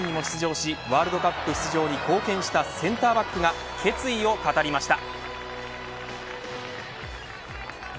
アジア最終予選にも出場しワールドカップに出場に貢献したセンターバックが決意を語りました。